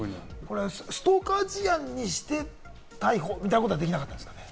ストーカー事案にして逮捕みたいなことはできなかったんですか？